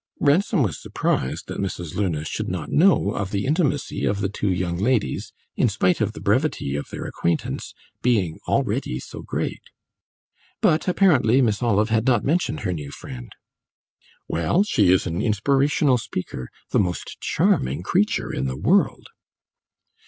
Ransom was surprised that Mrs. Luna should not know of the intimacy of the two young ladies, in spite of the brevity of their acquaintance, being already so great. But, apparently, Miss Olive had not mentioned her new friend. "Well, she is an inspirational speaker the most charming creature in the world!"